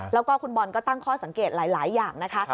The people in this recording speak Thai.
แล้วก็คุณบอลก็ตั้งข้อสังเกตหลายอย่างนะคะ